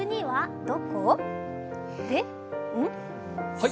はい！